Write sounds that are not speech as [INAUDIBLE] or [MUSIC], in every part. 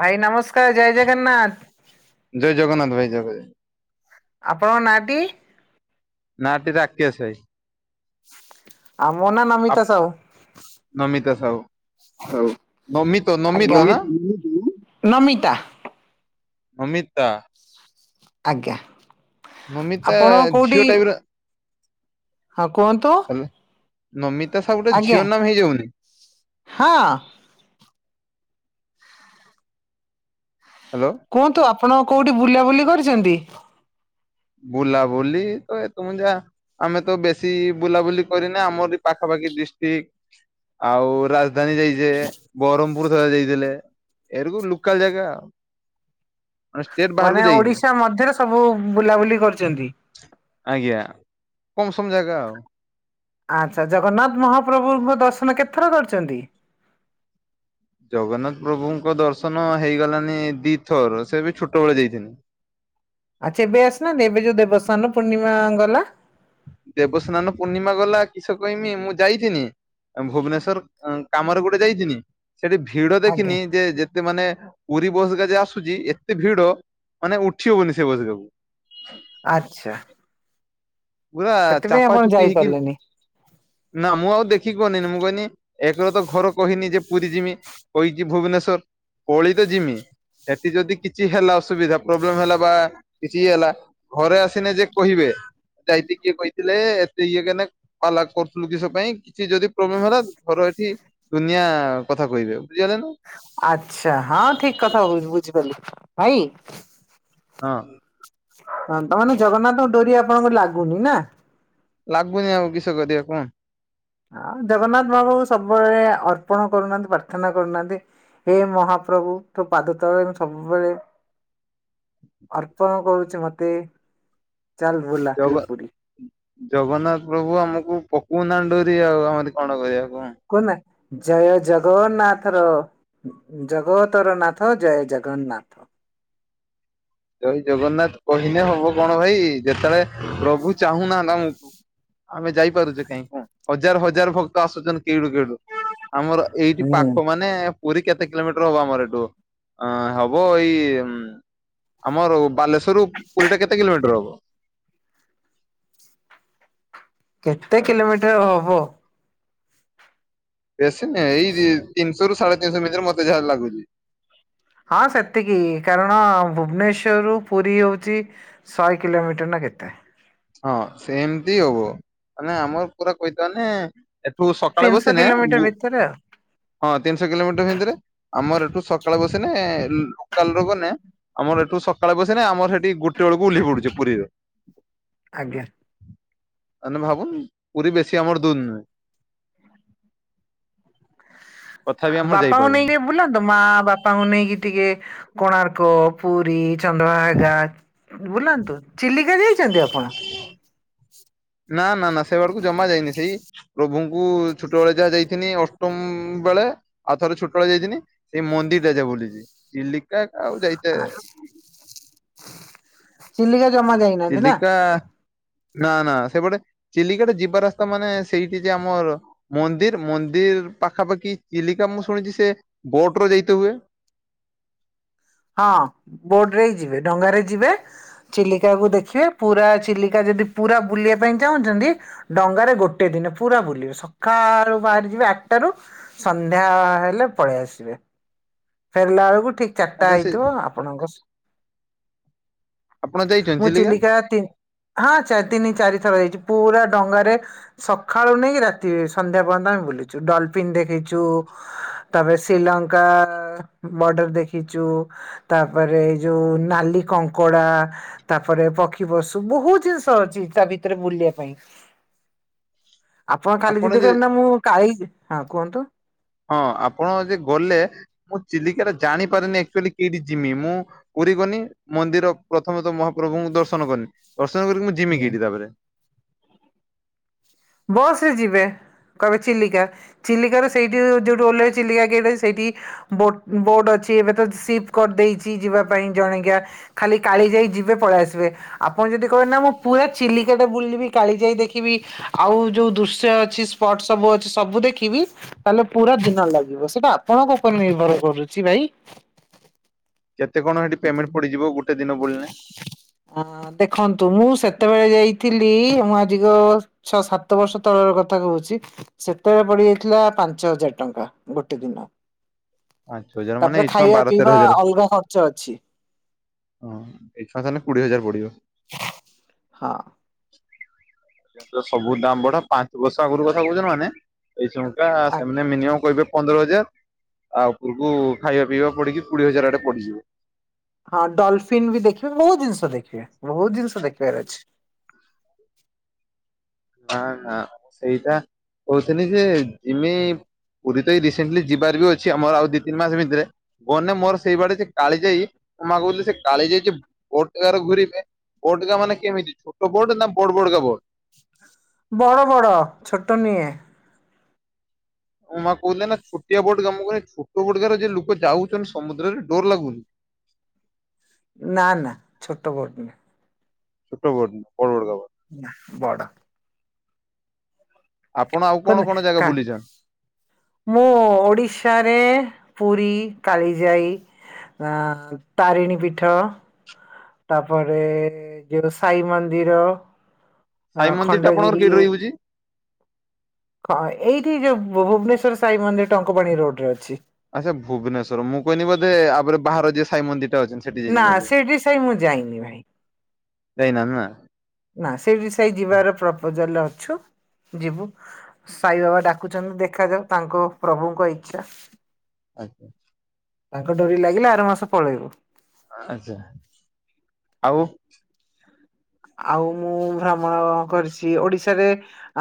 ଭାଇ ନମସ୍କାର, ଜୟ ଜଗନ୍ନାଥ। ଜୟ ଜଗନ୍ନାଥ ଭାଇ ଜଗ ଜୟ। ଆପଣଙ୍କ ନାଁଟି। ନା ଟି ରାକେଶ ଭାଇ। ଆଉ ମୋ ନା ଆ ନମିତା ସାହୁ। ନମିତା ସାହୁ। ହଉ ନମିତ ଆଜ୍ଞା, ନମିତ ନା [UNINTELLIGIBLE] ନମିତା। ମମିତା। ଆଜ୍ଞା। ନମିତା ଆପଣ କୋଉଠି ଝିଅ ଟାଇପ ର ହଁ କୁହନ୍ତୁ। ନମିତା ସା ଗୋଟେ ଆଜ୍ଞା ଝିଅ ନାମ ହେଇଯାଉନି। ହଁ। ହାଲୋ। କୁହନ୍ତୁ। ଆପଣ କୋଉଠି ବୁଲାବୁଲି କରିଛନ୍ତି? ବୁଲା ବୁଲି ତ। [UNINTELLIGIBLE] ଆମେ ତ ବେଶୀ ବୁଲାବୁଲି କରିନେ। ଆମରି ପାଖାପାଖି ଡିଷ୍ଟ୍ରିକ୍ଟ ଆଉ ରାଜଧାନୀ ଯାଇଚେ। ବ୍ରହ୍ମପୁର ଥରେ ଯାଇଥିଲେ। ଏରକୁ ଲୁକାଲ୍ ଜାଗା। ମାନେ ଷ୍ଟେଟ ବାହାରକୁ ମାନେ ଯାଇନି ଓଡିଶା ମଧ୍ୟରେ ସବୁ ବୁଲାବୁଲି କରିଛନ୍ତି। ଆଜ୍ଞା। କମ୍ ସମ ଜାଗା ଆଉ। ଆଚ୍ଛା। ଜଗନ୍ନାଥ ମହାପ୍ରଭୁଙ୍କ ଦର୍ଶନ କେତେଥର କରିଛନ୍ତି? ଜଗନ୍ନାଥ ପ୍ରଭୁଙ୍କ ଦର୍ଶନ ହେଇଗଲାନି ଦିଥର। ସେ ବି ଛୋଟ ବେଳେ ଯାଇଥିନି। ଆଚ୍ଛା ଏବେ ଆସିନାହାଁନ୍ତି? ଏବେ ଯୋଉ ଦେବସ୍ନାନ ପୂର୍ଣ୍ଣିମା ଗଲା। ଦେବସ୍ନାନ ପୂର୍ଣ୍ଣିମା ଗଲା କିସ କହିମି ମୁଁ ଯାଇଥିନି। ଭୁବନେଶ୍ଵର କାମରେ ଗୋଟେ ଯାଇଥିନି। ସେଠି ଭିଡ ଆଜ୍ଞା ଦେଖିନି ଯେ ଯେ ଏତେ ମାନେ ପୁରୀ ବସ୍ ହେରିକା ଯୋଉ ଆସୁଚି ଏତେ ଭିଡ଼ ମାନେ ଉଠି ହଉନି ସେ ବସ୍ ରାକୁ। ଆଚ୍ଛା। ପୁରା ସେଥିପାଇଁ ଚାପା ଆପଣ ଚୁପି ହେଇକି ଯାଇପାରିଲେନି ନା ମୁଁ ଆଉ ଦେଖିକି ଗନିନି। ମୁଁ କହିନି ଏକରେ ତ ଘରେ କହିନି ଯେ ପୁରୀ ଯିବି କହିଚି ଭୁବନେଶ୍ଵର। ପଳେଇ ତ ଯିମି। ସେଠି ଯଦି କିଛି ହେଲା ଅସୁବିଧା ପ୍ରୋବ୍ଲେମ୍ ହେଲା ବା କିଛି ହେଲା ଘରେ ଆସିନେ ଯେ କହିବେ, ଯାଇକି କିଏ କହିଥିଲେ ଏତେ ଇଏ କେନେ ପାଲା କରୁଥିଲୁ କିଷ ପାଇଁ, କିଛି ଯଦି ପ୍ରୋବ୍ଲେମ ହେଲା ଘର ଏଠି ଦୁନିଆ କଥା କହିବେ ବୁଝିହେଲା ନା। ଆଚ୍ଛା। ହଁ ଠିକ୍ କଥା କହୁଛନ୍ତି ବୁଝିପାରିଲି। ଭାଇ ହଁ। ତା ମାନେ ଜଗନ୍ନାଥଙ୍କ ଡୋରି ଆପଣଙ୍କ ର ଲାଗୁନି ନା? ଲାଗୁନି ଆଉ କିଷ କରିବା କୁହ। ହଁ ଜଗନ୍ନାଥ ପ୍ରଭୁ ସବୁବେଳେ ଅର୍ପଣ କରୁନାହାନ୍ତି ପ୍ରାର୍ଥନା କରୁନାହାନ୍ତି। ହେ ମହାପ୍ରଭୁ ତୋ ପାଦ ତଳେ ମୁଁ ସବୁବେଳେ ଅର୍ପଣ କରୁଚି ମତେ। ଚାଲ୍ ବୁଲା ଜଗ ଟିକେ ପୁରୀ। ଜଗନ୍ନାଥ ପ୍ରଭୁ ଆମକୁ ପକଉ ନାହାନ୍ତି ଡୋରୀ ଆଉ ଆମରି କଣ କରିବା କୁହ। କୁହ ନା ଜୟ ଜଗନ୍ନାଥ ର। ଜଗତର ନାଥ ଜୟ ଜଗନ୍ନାଥ। ଜୟ ଜଗନ୍ନାଥ କହିଲେ ହବ କଣ ଭାଇ। ଯେତେବେଳେ ପ୍ରଭୁ ଚାହୁଁ ନାହାନ୍ତି ଆମକୁ। ଆମେ ଯାଇପାରୁଚେ କାହିଁ କଣ। ହଜାର ହଜାର ଭକ୍ତ ଆସୁଛନ୍ତି କେଉଡୁ କେଉଡୁ। ଆମର ଏଇଠି ହୁଁ ପାଖ ମାନେ ପୁରୀ କେତେ କିଲୋମିଟର ହବ ଆମର ଏଠୁ? ଅ ହବ ଏଇ ଆମର ବାଲେଶ୍ଵରରୁ ପୁରୀ ଟା କେତେ କିଲୋମିଟର ହବ? କେତେ କିଲୋମିଟର ହବ? ବେଶୀ ନାଇଁ ଏଇ ତିନିଶହରୁ ସାଢେ଼ ତିନିଶହ ଭିତରେ ମତେ ଯାହା ଲାଗୁଚି। ହଁ ସେତିକି। କାରଣ ଭୁବନେଶ୍ଵରରୁୁ ପୁରୀ ହଉଚି ଶହେ କିିଲୋମିଟର ନା କେତେ। ହଁ ସେମତି ହବ। ମାନେ ଆମର ପୁରା କହିଥା ମାନେ ଏଠୁ ସକାଳେ ତିନିଶହ ବସିିନେ କିଲୋମିଟର ଗୁ ଭିତରେ ଆଉ ହଁ ତିନିଶହ କିଲୋମିଟର ଭିତରେ। ଆମର ଏଠୁ ସକାଳେ ବସିନେ ଲୋକାଲ୍ ରୁ ଗଲେ ଆମର ଏଠୁ ସକାଳେ ବସିନେ ଆମର ହେଠି ଗୁଟେ ବେଳକୁ ଓହ୍ଲାଇ ପଡୁଚେ ପୁରୀରେ। ଆଜ୍ଞା। ଅଇନା ଭାବୁନି ପୁରୀ ବେଶୀ ଆମର ଦୁର ନୁଁହେ। ତଥାପି ଆ ଆମର ବାପାଙ୍କୁ ଯାଇପାରୁନୁ ନେଇକି ବୁଲାନ୍ତୁ, ମା ବାପାଙ୍କୁ ନେଇକି ଟିକେ କୋଣାର୍କ ପୁରୀ, ଚନ୍ଦ୍ରଭାଗା ବୁଲାନ୍ତୁ, ଚିଲିକା ଯାଇଛନ୍ତି ଆପଣ? ନା ନା ନା ସେ ଆଡକୁ ଜମା ଯାଇନି, ସେଇ ପ୍ରଭୁଙ୍କୁ ଛୋଟବେଳେ ଯାହା ଯାଇଥିନି ଅଷ୍ଟମ ବେଳେ ଆଉ ଥରେ ଛୋଟବେଳେ ଯାଇଥିନି ସେଇ ମନ୍ଦିରଟା ଯା ବୁଲିଛି ଚିଲିକା ଆଉ ଯାଇ ଆଛା ଚିଲିକା ଜମା ଯାଇନି। ଚିଲିକା ନା ନା ସେପଟେ ଚିଲିକାଟା ଯିବା ରାସ୍ତା ମାନେ ସେଇଠି ଯେ ଆମର ମନ୍ଦିର ମନ୍ଦିର ପାଖାପାଖି ଚିଲିକା ମୁଁ ଶୁଣିଛି ସେ ବୋଟ ର ଯାଇତେ ହୁଏ। ହଁ ବୋଟ ରେ ହି ଯିବେ ଡଙ୍ଗାରେ ଯିବେ ଚିଲିକାକୁୁ ଦେଖିବେ ପୁରା ଚିଲିକା ଯଦି ପୁରା ବୁଲିବା ପାଇଁ ଚାହୁଁଛନ୍ତି ଡଙ୍ଗାରେ ଗୋଟେ ଦିନ ପୁରା ବୁଲିବେ ସକାଳୁ ବାହାରି ଯିବେ ଆଠଟାରୁ ସନ୍ଧ୍ୟା ହେଲେ ପଳେଇ ଆସିବେ। ଫେରିଲା ବେଳକୁ ଠିକ ଚାର ଟା ଆଚ୍ଛା ସେ ହେଇଥିବ ଆପଣଙ୍କ ଶ୍, ଆପଣ ଯାଇଛନ୍ତି ମୁଁ ଚିଲିକା ତିନ୍ ହଁ ଚାର ତିନି ଚାରିଥର ଯାଇଛି ପୁରା ଡଙ୍ଗାରେ ସଖାଳୁ ନେଇକି ରାତି ସନ୍ଧ୍ୟା ପର୍ଯ୍ୟନ୍ତ ଆମେ ବୁଲିଛୁ ଡଲଫିନ୍ ଦେଖେଇ ଚୁ ତାପରେ ଶ୍ରୀଲଙ୍କା ବର୍ଡର ଦେଖି ଚୁ ତାପରେ ଏ ଯୋଉ ନାଲି କଙ୍କଡ଼ା ତାପରେ ପକ୍ଷୀ ପଶୁ ବହୁତ ଜିନିଷ ଅଛି ତା ଭିତରେ ବୁଲିବା ପାଇଁ। [INAUDIBLE] ଆପଣ କାଲି ଯଦି କହିବେ ନା ମୁଁ କାଇଁ ହଁ କୁହନ୍ତୁ ହଁ ଆପଣ ଯେ ଗଲେ ମୁଁ ଚିଲିକା ଟା ଜାଣିପାରିନି ଆକଚୁଆଲି କେଠି ଜିମି ମୁଁ କୋଉଠି କି କନି ମନ୍ଦିର ପ୍ରଥମେ ତ ମହାପ୍ରଭୁଙ୍କୁ ଦର୍ଶନ କନି ଦର୍ଶନ କରିକି ମୁଁ ଜିମି ହୁଁ କେଠି ତାପରେ? ବସ ରେ ଯିବେ କହିବେ ଚିଲିକା। ଚିଲିକାରେ ସେଇଠି ଯୋଉ ଯୋଉଠୁ ଓହ୍ଲେଇବେ ଚିଲିକା କେଠି ଅଛି ସେଇଠି। ବୋଟ୍ ବୋଟ ଅଛି ଏବେ ତ ସିପ କରିଦେଇଛି ଯିବା ପାଇଁ ଜଣିକିଆ। ଖାଲି କାଳିଜାଇ ଯିବେ ପଳେଇ ଆସିବେ। ଆପଣ ଯଦି କହିବେ ନା ମୁଁ ପୁରା ଚିଲିକା ଟା ବୁଲିବି କାଳି ଯାଇ ଦେଖିବି ଆଉ ଯୋଉ ଦୃଶ୍ୟ ଅଛି ସ୍ପଟ୍ ସବୁ ଅଛି ସବୁ ଦେଖିବି ତାହେଲେ ପୁରା ଦିନ ଲାଗିବ ସେଟା ଆପଣଙ୍କ ଉପରେ ନିର୍ଭର କରୁଛି ଭାଇ। କେତେ କଣ ହେଠି ପେମେଣ୍ଟ ପଡିଯିବ ଗୋଟେ ଦିନ ବୁଲିଲେଁ? ହଁ ଦେଖନ୍ତୁ ମୁଁ ସେତେବେଳେ ଯାଇଥିଲି ମୁଁ ଆଜିିକ ଛଅ ସାତ ବର୍ଷ ତଳର କଥା କହୁଛି ସେତେବେଳେ ପଡିିଯାଇଥିଲା ପାଞ୍ଚ ହଜାର ଟଙ୍କା ଗୋଟେ ଦିନ। ପାଞ୍ଚ ହଜାର ମାନେ ତାପରେ ଏଇ ଛୁଆଁ ଖାଇବା ବାର ତେର ପିଇବା ହଜାର ଅଲଗା ଖର୍ଚ୍ଚ ଅଛି। ହଁ [UNINTELLIGIBLE] ତାହେଲେ କୋଡିଏ ହଜାର ପଡିବ। ହଁ। ସେ ତ ସବୁ ଦାମ ବଢା ପାଞ୍ଚ ବର୍ଷ ଆଗରୁ କଥା କହୁଛନ୍ତି ମାନେ ଏଇଚୁଙ୍କା ଆ ସେମାନେ ମିନିୟମ କହିବେ ପନ୍ଦର ହଜାର ଆଉ ଉପରକୁ ଖାଇବା ପିଇବା ପଡିକି କୁଡିଏ ହଜାର ଆଡେ ପଡିଯିବ। ହଁ ଡଲଫିିନ ବି ଦେଖିବେ ବହୁତ ଜିନିଷ ଦେଖିବେ ବହୁତ ଜିନିଷ ଦେଖିବାର ଅଛି। ନା ନା ମୁଁ ସେଇଟା କହୁଥିନି ଯେ ଜିମି ପୁରୀ ତ ଏଇ ରିସଣ୍ଟଲି ଯିବାର ବି ଅଛି ଆମର ଆଉ ଦି ତିନି ମାସ ଭିତରେ। ଗନେ ମୋର ସେଇ ବାଡେ ଯେ କାଳି ଯାଇ ମୋ ମା କହୁଥିଲି ସେ କାଳି ଯାଇଛି ବୋଟ ଘୁରିବେ। ବୋଟକା ମାନେ କେମିତି ଛୋଟ ବୋଟ ନା ବଡ ବଡ କା ବୋଡ? ବଡ ବଡ ଛୋଟ ନୁହେଁ। ମୋ ମାଆ କହୁଥିଲେ ନା ଛୋଟିଆ ବୋଟ କାମ କରେ ଛୋଟ ବୋଟ ଗାରେ ଲୋକ ଯାଉଛନ୍ତି ସମୁଦ୍ରରେ ଡର ଲାଗୁନି। ନା ନା ଛୋଟ ବୋଟ ନୁହଁ। ଛୋଟ ବୋଟ ନୁହଁ ବଡ ବଡ ଗାବ। ନା ବଡ। ଆପଣ ଆଉ କ କଣ କଣ ଜାଗା କା ବୁଲିଛନ୍? ମୁଁ ଓଡିଶାରେ ପୁରୀ, କାଳି ଯାଇ। ଆ ତାରିଣୀ ପୀଠ। ତାପରେ ଯୋଉ ସାଇ ମନ୍ଦିର। ଅ ସାଇ ମନ୍ଦିର ଟା ଆପଣଙ୍କର ଖଣ୍ଡଗିରି। କେଇଠି ରହିଯାଉଛି? ହଁ ଏଇଠି ଯୋଉ ଭୁବନେଶ୍ଵର ସାଇ ମନ୍ଦିର ଟଙ୍କପାଣି ରୋଡରେ ଅଛି। ଆଚ୍ଛା ଭୁବନେଶ୍ୱର ମୁଁ କହନି ବୋଧେ ଆପରେ ବାହାର ଯିଏ ସାଇ ମନ୍ଦିର ଟା ଅଛନ୍ତି। ସେଠି ନା ଯାଇଛନ୍ତି ବୋଧେ ସେଇଠି ସେଇ ମୁଁ ଯାଇନି ଭାଇ। ଯାଇନା ନା? ନା ସେଇଠି ସେଇ ଯିବାର ପ୍ରପୋଜାଲରେ ଅଛୁ ଯିବୁ। ସାଇବାବା ଡାକୁଛନ୍ତି ଦେଖାଯାଉ ତାଙ୍କ ପ୍ରଭୁଙ୍କ ଇଚ୍ଛା। ଆଜ୍ଞା। ତାଙ୍କ ଡୋରି ଲାଗିଲେ ଆର ମାସ ପଳେଇବୁ। ଆଚ୍ଛା ଆଉ ଆଉ ମୁଁ ଭ୍ରମଣ କରିଛି ଓଡିଶାରେ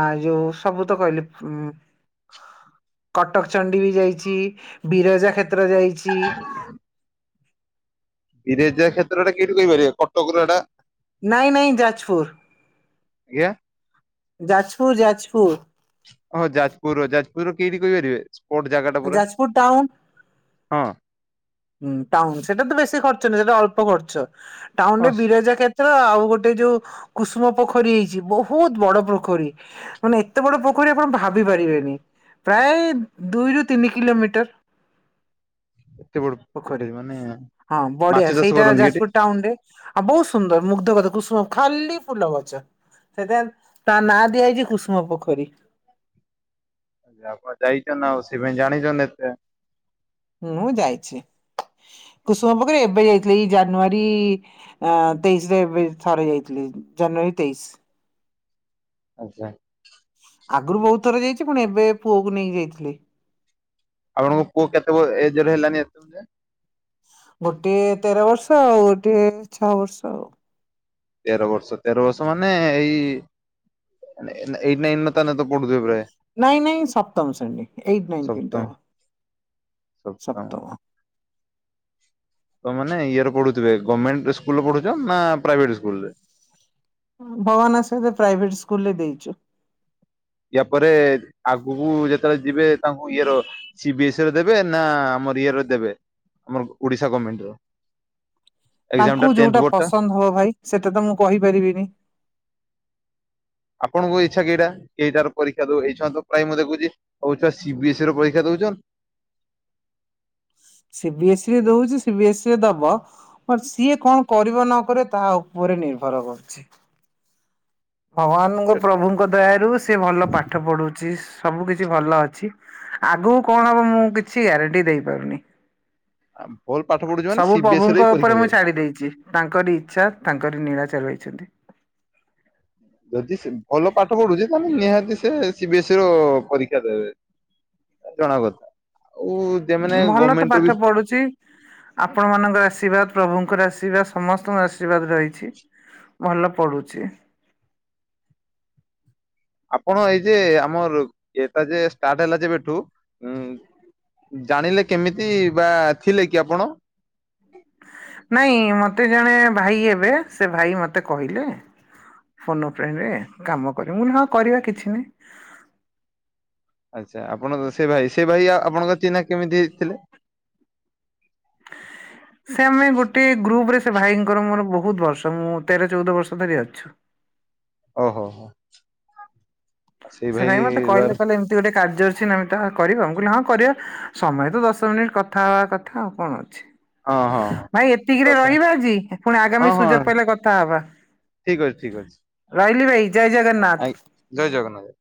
ଆ ଯୋଉ ସବୁ ତ କହିଲି ଉ। କଟକ ଚଣ୍ଡୀ ବି ଯାଇଛି, ବିରଜା କ୍ଷେତ୍ର ଯାଇଛି। ବିରେଜା କ୍ଷେତ୍ରରେଟା କିଠୁ କହିପାରିବ କଟକ ର ଏଟା ନାଇଁ ନାଇଁ ଯାଜପୁର। ଆଜ୍ଞା? ଯାଜପୁର ଯାଜପୁର। ହଁ ଯାଜପୁର ର ଯାଜପୁର ର କେଠି କହିପାରିବେ ସ୍ପୋଟ ଜାଗା ଟା ପୁରା? ଯାଜପୁର ଟାଉନ ହଁ। ହୁଁ ଟାଉନ ସେଟା ତ ବେଶୀ ଖର୍ଚ୍ଚ ନାହି ସେଟା ଅଳ୍ପ ଖର୍ଚ୍ଚ, ହଁ ଟାଉନରେ ବିରେଜା କ୍ଷେ ସେ ଆଉ ଗୋଟେ ଯୋଉ କୁସୁମ ପୋଖରୀ ହେଇଛି ବହୁତ ବଡ ପୋଖରୀ। ମାନେ ଏତେ ବଡ ପୋଖରୀ ଆପଣ ଭାବି ପାରିବେନି ପ୍ରାୟ ଦୁଇରୁୁ ତିନି କିଲୋମିଟର। ଏତେ ବଡ ପୋଖରୀ ମାନେ ହଁ ମାଛ ବଢିଆ ଚାଷ ସେଇଟା କରନ୍ତି କି ଏଠି ଯାଜପୁର ଟାଉନ ରେ। ଆଉ ବହୁତ ସୁନ୍ଦର ମୁଗ୍ଧ କରିଦବ କୁସୁମ ଖାଲି ଫୁଲ ଗଛ। ସେଥିପାଇଁ ତା ନାଁ ଦିଆଯାଇଛି କୁସୁମ ପୋଖରୀ। ଆପଣ ଯାଇଚନା ଆଉ ସେଥିପାଇଁ ଜାଣିଚନ୍ତି ଏତେ। ମୁଁ ଯାଇଛି, କୁସୁମ ପୋଖରୀ ଏବେ ଯାଇଥିଲି ଏଇ ଜାନୁଆରୀ ଅଁ ତେଇଶି ରେ ଏବେ ଥରେ ଯାଇଥିଲି ଜାନୁଆରୀ ତେଇଶୀ। ଆଚ୍ଛା। ଆଗରୁ ବହୁତ ଥର ଯାଇଛି ପୁଣି ଏବେ ପୁଅକୁ ନେଇକି ଯାଇଥିଲି। ଆପଣଙ୍କ ପୁଅ କେତେ ବ ଏଜରେ ହେଲାଣି ଆସି? ଗୋଟିଏ ତେର ବର୍ଷ ଆଉ ଗୋଟିଏ ଛଅ ବର୍ଷ ଆଉ। ତେର ବର୍ଷ ତେର ବର୍ଷ ମାନେ ଏଇ ଏଇ ନାଇନ ତାନେ ତ ପଢୁଥିବ ପ୍ରାୟ। ନାଇଁ ନାଇଁ ସପ୍ତମ ଶ୍ରେଣୀରେ, ଏଇଟ ନାଇନ୍ କେମତି ସପ୍ତମ ହବ ସପ୍ତମ। ତମାନେ ଇଏରେ ପଢୁଥିବେ ଗମେଣ୍ଟ୍ ସ୍କୁଲ୍ ରେ ପଢୁଚ ନା ପ୍ରାଇଭେଟ୍ ସ୍କୁଲ୍ ରେ? ଭଗବାନ୍ ଇଚ୍ଛାରୁ ପ୍ରାଇଭେଟ୍ ସ୍କୁଲ୍ ରେ ଦେଇଚୁ। ଇଆ ପରେ ଆଗୁକୁ ଯେତେବେଳେ ଯିବେ ତାଙ୍କୁ ଇଏର ସି ବିି ଏସ୍ ରେ ଦେବେ ନା ଆମର ଇଏରେ ଦେବେ ଆମର ଓଡିଶା ଗର୍ମେଣ୍ଟ୍ ର? ଏକ୍ଜାମ ଟା ତାଙ୍କୁ ଟେନ୍ଥ ଯଉଟା ବୋର୍ଡ ଟା ପସନ୍ଦ୍ ହବ ଭାଇ ସେଟା ତ ମୁଁ କହିପାରିବିନି। ଆପଣଙ୍କୁ ଇଚ୍ଛା କେଇଟା ଏଇଟାର ପରୀକ୍ଷା ଦଉ ଏଇ ଇଛା ତ ପ୍ରାୟ ମୁଁ ଦେଖୁଚି। ହଉ ଛୁଆ ସି ବି ଏସ୍ ଇ ର ପରୀକ୍ଷା ଦଉଚନ୍ ସିବି ଏସ୍ଇ ରେ ଦଉଚି ସିବି ଏସ୍ ଇ ରେ ଦବ। ହଁ- ସିଏ କଣ କରିବ ନକରିବ ତା ଉପରେ ନିର୍ଭର କରୁଚି। ଭଗବାନଙ୍କ ସେ ପ୍ରଭୁଙ୍କ ଦୟାରୁ ସେ ଭଲ ପାଠ ପଢୁଚି ସବୁ କିଛି ଭଲ ଅଛି। ଆଗକୁ କଣ ହବ ମୁଁ କିଛି ଗ୍ୟାରେଣ୍ଟି ଦେଇ ପାରୁନି। [UNINTELLIGIBLE] ଭଲ୍ ପାଠ ପଢୁ ସବୁ ପ୍ରଭୁଙ୍କ ଉପରେ ମୁଁ ଛାଡି ଦେଇଚି ତାଙ୍କର ଇଚ୍ଛା ତାଙ୍କର ନୀଳା ଚଲେଇଚନ୍ତି। ଯଦି ସେ ଭଲ ପାଠ ପଢୁଚି ତାହେଲେ ନିହାତି ସେ ସି ବିି ଏସ୍ ଇ ର ପରୀକ୍ଷା ଦେବେ। ଜଣା କଥା ଆଉ ଯେମାନେ ଭଲ ତ ଗଭର୍ଣ୍ଣମେଣ୍ଟ ର ବି ପାଠ ପଢୁଚି। ଆପଣମାନଙ୍କ ଆଶୀର୍ବାଦ ପ୍ରଭୁଙ୍କର ଆଶୀର୍ବାଦ ସମସ୍ତଙ୍କ ଆଶୀର୍ବାଦ ରହିଛି। ଭଲ ପଢୁଛି। ଆପଣ ଏଇ ଯେ ଆମର [UNINTELLIGIBLE] ଯେ ଷ୍ଟାର୍ଟ ହେଲା ଯେବେ ଠୁ ଜାଣିଲେ କେମିତି ବା ଥିଲେ କି ଆପଣ? ହଁ। ନାଇଁ ମତେ ଜଣେ ଭାଇ ଏବେ ସେ ଭାଇ ମତେ କହିଲେ। ଫୋନ ଏ ଫ୍ରେଣ୍ଡ୍ ରେ କାମ କରିବୁ ମୁଁ କହିଲି ହଁ କରିବା କିଛି ନାହିଁ। ଆଚ୍ଛା ଆପଣ ସେ ଭାଇ- ସେ ଭାଇ ଆଉ ଆପଣଙ୍କ ଚିହ୍ନା କେମିତି ହେଇଥିଲେ? ସେ ଆମେ ଗୋଟେ ଗ୍ରୁପ୍ ରେ ସେ ଭାଇଙ୍କର ମୋର ବହୁତ୍ ବର୍ଷ ମୁଁ ତେର ଚଉଦ ବର୍ଷ ଧରି ଅଛୁ। ଓ ହୋ ହୋ। ସେଇ ସେ ଭାଇ ମତେ କହିଲେ ଦ୍ଵାରା କହିଲେ ଏମତି ଗୋଟେ କାର୍ଯ୍ୟ ଅଛି ନମିତା କରିବ ମୁଁ କହିଲି ହଁ କରିବା। ସମୟ ତ ଦଶ ମିନିଟ୍ କଥା ହବା କଥା ଆଉ କଣ ଅଛି। ହଁ ହଁ ଭାଇ ଏତିକିରେ ଦଶ- ରହିବା ଆଜି ପୁଣି ଆଗାମୀ ସୁଯୋଗ ପାଇଲେ କଥା ହବା। ଠିକ୍ ଅଛି -ଠିକ୍ ଅଛି। ରହିଲି ଭାଇ ଜୟ ଜଗନ୍ନାଥ୍। ଆଜ୍ଞା ଜୟ ଜଗନ୍ନାଥ୍।